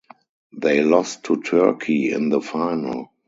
They lost to Turkey in the final.